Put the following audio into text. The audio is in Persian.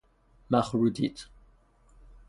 مخروطیت